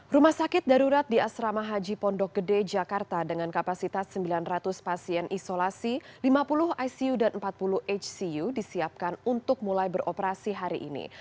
rumah sakit darurat di asrama haji pondok gede jakarta dengan kapasitas sembilan ratus pasien isolasi lima puluh icu dan empat puluh hcu disiapkan untuk mulai beroperasi hari ini